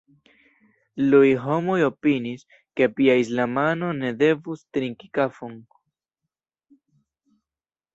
Iuj homoj opiniis, ke pia islamano ne devus trinki kafon.